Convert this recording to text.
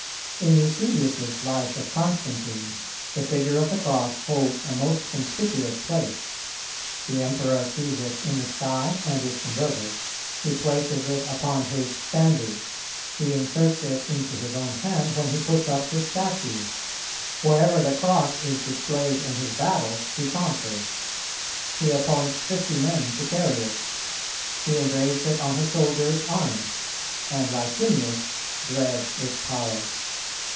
In Eusebius's life of Constantine, the figure of the Cross holds a most conspicuous place; the Emperor sees it in the sky and is converted; he places it upon his standards; he inserts it into his own hand when he puts up his statue; wherever the Cross is displayed in his battles, he conquers; he appoints fifty men to carry it; he engraves it on his soldiers' arms; and Licinius dreads its power.